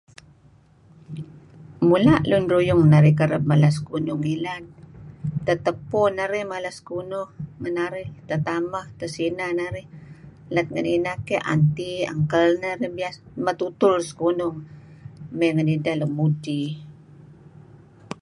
Mula' lun ruyung narih kerab mala sekunuh ngilad tetepuh narih mala sekunuh, tetameh tesineh narih. Lat ngineh aunty, uncle metutul sekunuh may ngen ideh nuk mudti iih.